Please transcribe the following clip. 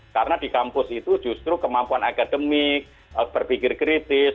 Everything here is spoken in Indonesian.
karena di kampus itu justru kemampuan akademik berpikir kritis